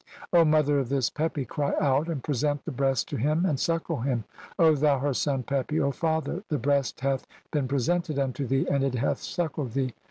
O mother "of this Pepi, cry out, and present the breast to him "and suckle him. O thou her son, Pepi, O father, the "breast hath been presented unto thee and it hath "suckled thee.